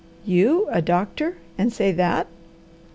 "You, a doctor and say that!"